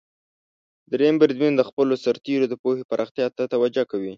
دریم بریدمن د خپلو سرتیرو د پوهې پراختیا ته توجه کوي.